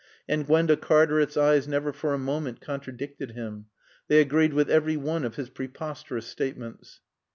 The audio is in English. And Gwenda Cartaret's eyes never for a moment contradicted him. They agreed with every one of his preposterous statements.